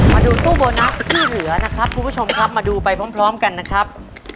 มาดูตู้โบนัสที่เหลือนะครับคุณผู้ชมครับมาดูไปพร้อมกันนะครับ